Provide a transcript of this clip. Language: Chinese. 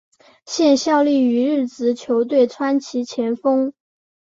现效力于日职球队川崎前锋。